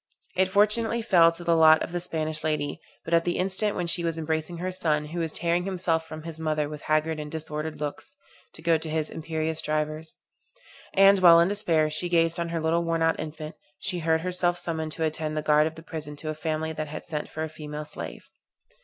It fortunately fell to the lot of the Spanish lady, but at the instant when she was embracing her son, who was tearing himself from his mother with haggard and disordered looks, to go to his imperious drivers; and while in despair she gazed on her little worn out infant, she heard herself summoned to attend the guard of the prison to a family that had sent for a female slave.